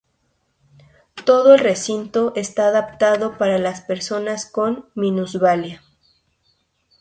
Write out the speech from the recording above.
Toda el recinto está adaptado para las personas con minusvalía.